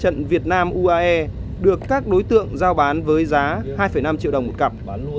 khán đài b trận việt nam uae được các đối tượng giao bán với giá hai năm triệu đồng một cặp